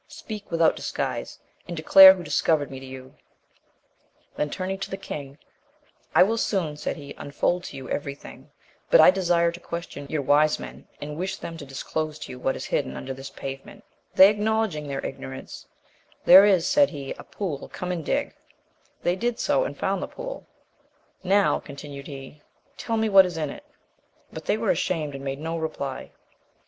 Speak without disguise, and declare who discovered me to you;" then turning to the king, "I will soon," said he, "unfold to you every thing; but I desire to question your wise men, and wish them to disclose to you what is hidden under this pavement:" they acknowledging their ignorance, "there is," said he, "a pool; come and dig:" they did so, and found the pool. "Now," continued he, "tell me what is in it;" but they were ashamed, and made no reply.